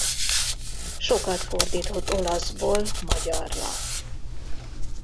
Sokat fordított olaszból magyarra.